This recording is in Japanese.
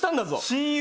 親友？